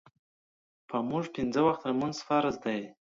پۀ مونږ پينځۀ وخته مونځ فرض دے